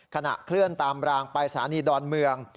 ขณะเคลื่อนตามรางไปสถานีดอนเมือง